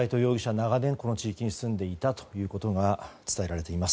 長年、この地域に住んでいたということが伝えられています。